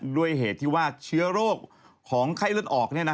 ด้วยเหตุที่ว่าเชื้อโรคของไข้เลือดออก